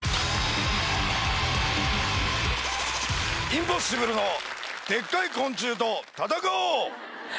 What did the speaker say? インポッシブルのでっかい昆虫と戦おう！